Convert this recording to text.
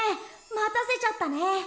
またせちゃったね。